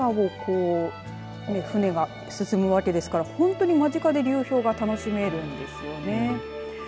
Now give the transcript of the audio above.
この中を船が進むわけですから本当に間近で流氷が楽しめるんですよね。